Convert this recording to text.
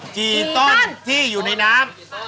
กี่ต้นที่อยู่ในน้ำ